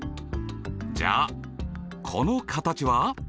じゃあこの形は？